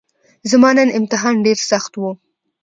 زما نن امتحان ډیرسخت وو